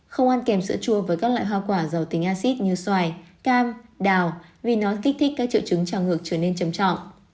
không ăn kèm sữa chua với các loại hoa quả giàu tính acid như xoài cam đào vì nó kích thích các triệu chứng trào ngược trở nên trầm trọng